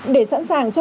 để sẵn sàng trở lại